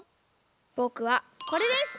ぼくはこれです！